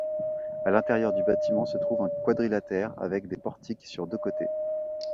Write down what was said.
À l'intérieur du bâtiment, se trouve un quadrilatère avec des portiques sur deux côtés.